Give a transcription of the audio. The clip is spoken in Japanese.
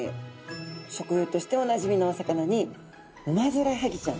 食用としておなじみのお魚にウマヅラハギちゃん。